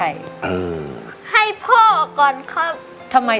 ร้องได้